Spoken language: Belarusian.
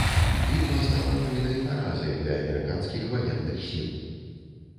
Бітва стала буйнай паразай для амерыканскіх ваенных сіл.